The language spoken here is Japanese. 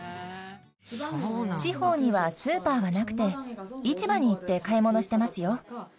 地方にはスーパーはなくて、市場に行って買い物してますよ。